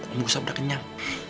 om gustaf udah kenyang